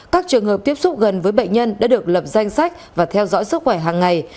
các trường hợp tiếp xúc gần với bệnh nhân đã được lập danh sách và theo dõi sức khỏe hàng ngày